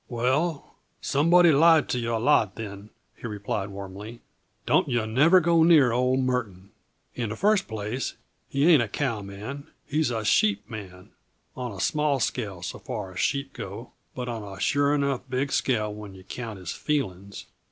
"Well, somebody lied to yuh a lot, then," he replied warmly. "Don't yuh never go near old Murton. In the first place, he ain't a cowman he's a sheepman, on a small scale so far as sheep go but on a sure enough big scale when yuh count his feelin's.